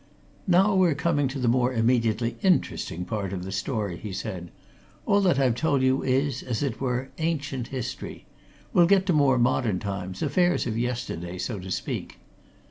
"Now we're coming to the more immediately interesting part of the story," he said. "All that I've told you is, as it were, ancient history. We'll get to more modern times, affairs of yesterday, so to speak.